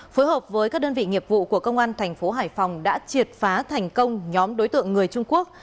phối hợp với các đơn vị nghiệp vụ của công an thành phố hải phòng đã triệt phá thành công nhóm đối tượng người trung quốc